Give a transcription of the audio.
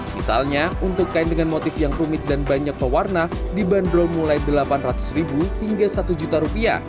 misalnya untuk kain dengan motif yang rumit dan banyak pewarna dibanderol mulai rp delapan ratus hingga rp satu